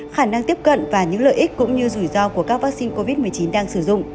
khả năng tiếp cận và những lợi ích cũng như rủi ro của các loại vaccine